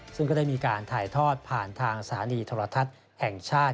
ซึ่งก็ได้มีการถ่ายทอดผ่านทางสถานีโทรทัศน์แห่งชาติ